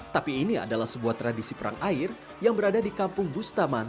tapi ini adalah sebuah tradisi perang air yang berada di kampung bustaman